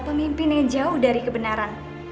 pemimpin yang jauh dari kebenaran